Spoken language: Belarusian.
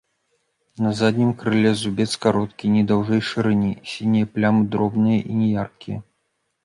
На заднім крыле зубец кароткі, не даўжэй шырыні, сінія плямы дробныя і няяркія.